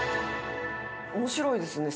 面白いですね。